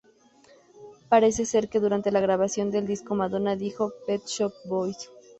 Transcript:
Parece ser que durante la grabación del disco, Madonna dijo "Pet Shop Boys!